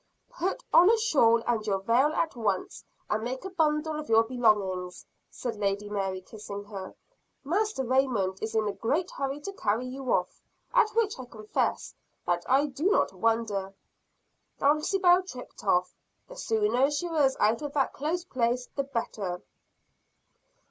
"Put on a shawl and your veil at once; and make a bundle of your belongings," said Lady Mary, kissing her. "Master Raymond is in a great hurry to carry you off at which I confess that I do not wonder." Dulcibel tripped off the sooner she was out of that close place the better.